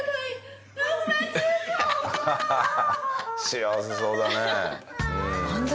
幸せそうだね。